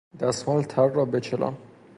دستمال تر را بچلان